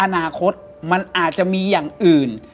อนาคตมันอาจจะมีอย่างอื่น